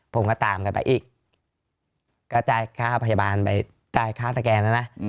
ผมก็ตามกันไปอีกก็จ่ายค่าพยาบาลไปจ่ายค่าสแกนแล้วนะ